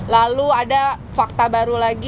lalu ada fakta baru lagi